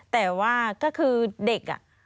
แต่ว่าก็คือเด็กอ่ะ